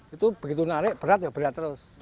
itu begitu narik berat ya berat terus